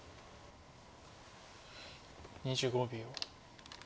２５秒。